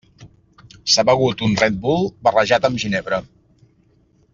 S'ha begut un Red Bull barrejat amb ginebra.